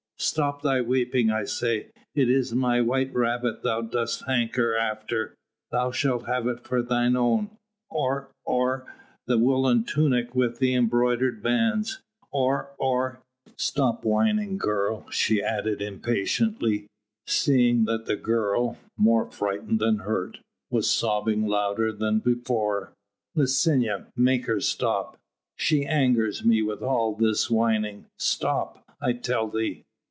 Stop thy weeping, I say! Is it my white rabbit thou dost hanker after thou shalt have it for thine own or or the woollen tunic with the embroidered bands or or Stop whining, girl," she added impatiently, seeing that the girl, more frightened than hurt, was sobbing louder than before. "Licinia, make her stop she angers me with all this whining stop, I tell thee.